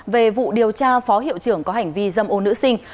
về vụ điều tra phó hiệu trưởng có hành vi dâm ô nữ sinh